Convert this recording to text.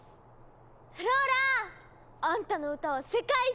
フローラ！あんたの歌は世界一！